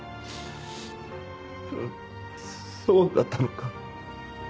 うんそうだったのか。